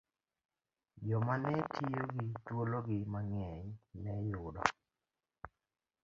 Joma ne tiyo gi thuologi mang'eny ne yudo